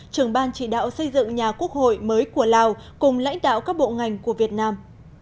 trưởng ban chỉ đạo xây dựng nhà quốc hội mới của lào cùng lãnh đạo các bộ ngành của việt nam